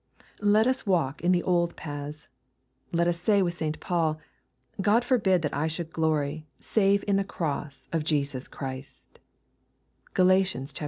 — ^Let us walk in the old paths. Let us say with St. Paul, " God forbid that I should glory, save in the cross of our Lord Jesus Christ."